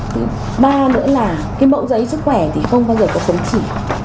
thứ ba nữa là cái mẫu giấy sức khỏe thì không bao giờ có chống chỉ